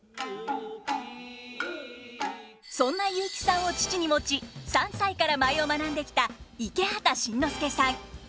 そんな雄輝さんを父に持ち３歳から舞を学んできた池畑慎之介さん。